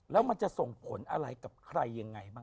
แล้วมันจะส่งผลอะไรกับใครยังไงบ้าง